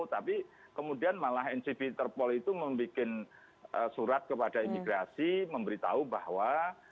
tapi kemudian malah ncb interpol itu membuat surat kepada imigrasi memberitahu bahwa